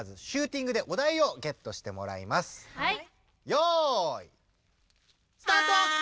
よいスタート！